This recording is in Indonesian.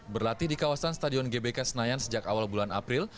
berlatih di kawasan stadion gbk senayan sejak awal bulan april